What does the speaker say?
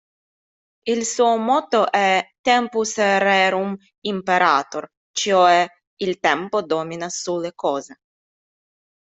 Il suo motto è "Tempus Rerum Imperator", cioè "Il tempo domina sulle cose".